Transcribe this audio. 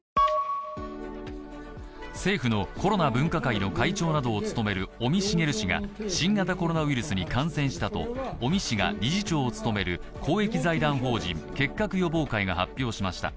政府のコロナ分科会の会長などを務める尾身茂氏が新型コロナウイルスに感染したと尾身氏が理事長を務める公益財団法人結核予防会が発表しました。